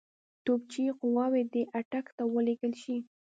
توپچي قواوې دي اټک ته ولېږل شي.